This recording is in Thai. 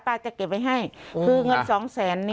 จะเก็บไว้ให้คือเงินสองแสนนี้